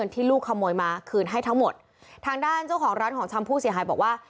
ที่ลูกขโมยมาคืนให้ทั้งหมดทางด้านเจ้าของร้านของชำผู้เสียหายบอกว่า